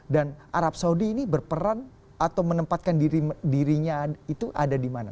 dan arab saudi ini berperan atau menempatkan dirinya itu ada di mana